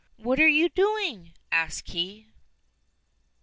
"What are you doing?" asks he.